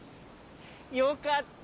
よかった！